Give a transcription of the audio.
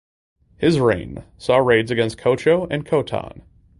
His reign saw raids against Qocho and Khotan.